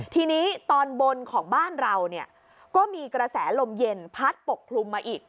ทีนี้ตอนบนของบ้านเราก็มีกระแสลมเย็นพัดปกคลุมมาอีก